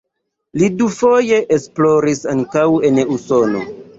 Li dufoje esploris ankaŭ en Usono.